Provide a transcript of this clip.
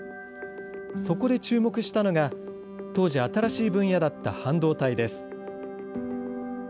そこで注目したのが、当時、新しい分野だった半導体です。